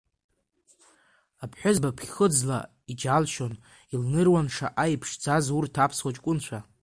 Аԥҳәызба ԥхыӡла иџьалшьон, илныруан шаҟа иԥшӡаз урҭ аԥсуа ҷкәынцәа.